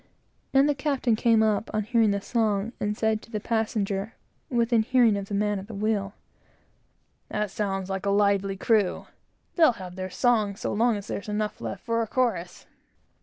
and the captain came up, on hearing the song, and said to the passenger, within hearing of the man at the wheel, "That sounds like a lively crew. They'll have their song so long as there're enough left for a chorus!"